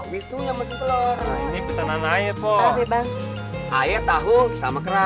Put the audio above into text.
wisunya masing masing telur